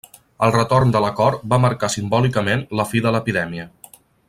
El retorn de la cort va marcar simbòlicament la fi de l'epidèmia.